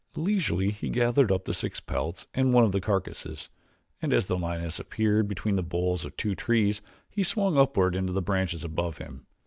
Leisurely he gathered up the six pelts and one of the carcasses, and as the lioness appeared between the boles of two trees he swung upward into the branches above him.